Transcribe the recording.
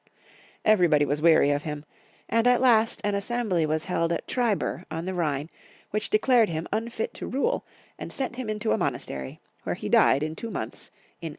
Everybody was weary of him, and at last an assembly was held at Tribur, on the Rhine, which declared him unfit to rule, and sent him into a monastery, where he died in two months, in 888.